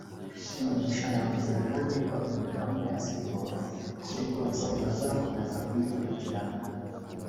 Mugisha yavuze kandi ko iyi gahunda ya ‘Siporo kuri bose’ bazakomeza kuyikurikirana